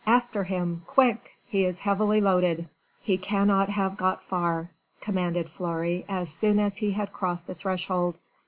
"After him ... quick!... he is heavily loaded ... he cannot have got far ..." commanded Fleury as soon as he had crossed the threshold.